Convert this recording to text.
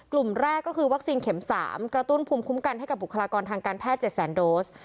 กลุ่มแรกก็คือวัคซีนเข็ม๓กระตุ้นภูมิคุ้มกันให้กับบุคลากรทางการแพทย์๗แสนโดส